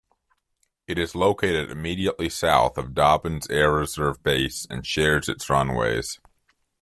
It is located immediately south of Dobbins Air Reserve Base and shares its runways.